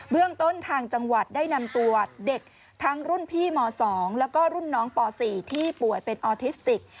เรื่องต้นทางจังหวัดได้นำตัวเด็กทั้งรุ่นพี่ม๒แล้วก็รุ่นน้องป๔ที่ป่วยเป็นออทิสติก